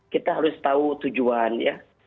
kita harus tahu tujuan ya